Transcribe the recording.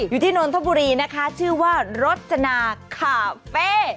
อยู่ที่นนทบุรีนะคะชื่อว่ารสจนาคาเฟ่